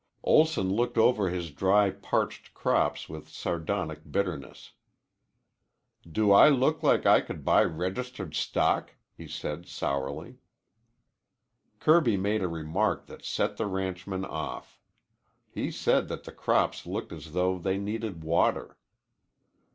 Olson looked over his dry, parched crops with sardonic bitterness. "Do I look like I could buy registered stock?" he asked sourly. Kirby made a remark that set the ranchman off. He said that the crops looked as though they needed water.